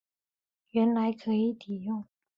原来可以抵用